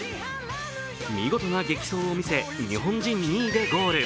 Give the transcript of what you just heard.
見事な激走を見せ、日本人２位でゴール。